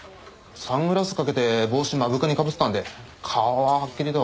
サングラスかけて帽子目深に被ってたんで顔ははっきりとは。